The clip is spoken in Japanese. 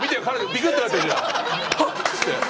びくってなってるじゃん。